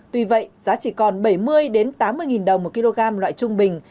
tuy vậy giá chỉ còn bảy mươi tám mươi đồng một kg loại trung bình